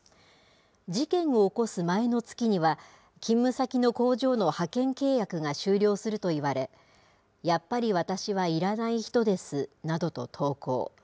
事件を起こす前の月には、勤務先の工場の派遣契約が終了すると言われ、やっぱり私は要らない人ですなどと投稿。